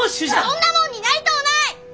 そんなもんになりとうない！